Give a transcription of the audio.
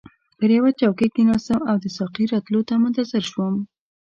پر یوه چوکۍ کښیناستم او د ساقي راتلو ته منتظر شوم.